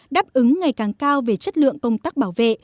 đáp ứng ngày càng cao về chất lượng công tác bảo vệ